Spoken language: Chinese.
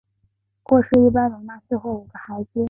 卧室一般容纳四或五个孩子。